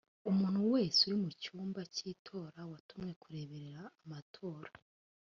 umuntu wese uri mu cyumba cy itora watumye kureberera amatora